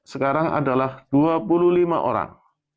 sekarang adalah dua puluh lima orang